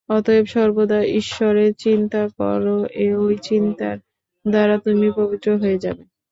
অতএব সর্বদা ঈশ্বরের চিন্তা কর, ঐ চিন্তার দ্বারা তুমি পবিত্র হয়ে যাবে।